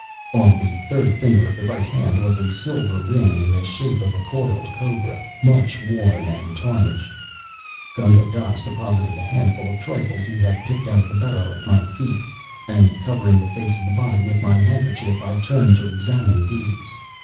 On the third finger of the right hand was a silver ring in the shape of a coiled cobra, much worn and tarnished. Gunga Dass deposited a handful of trifles he had picked out of the burrow at my feet, and, covering the face of the body with my handkerchief, I turned to examine these.